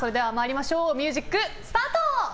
ミュージック、スタート！